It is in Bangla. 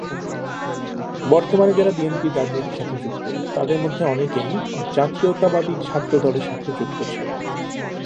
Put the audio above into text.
বর্তমানে যারা বিএনপির রাজনীতির সাথে যুক্ত, তাদের মধ্যে অনেকেই জাতীয়তাবাদী ছাত্রদলের সাথে যুক্ত ছিলেন।